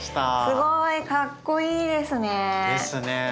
すごいかっこいいですね。ですね。